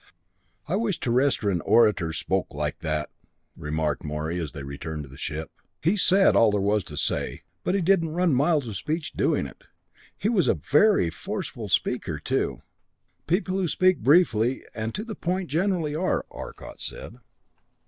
"I wish Terrestrian orators spoke like that," remarked Morey as they returned to the ship. "He said all there was to say, but he didn't run miles of speech doing it. He was a very forceful speaker, too!" "People who speak briefly and to the point generally are," Arcot said.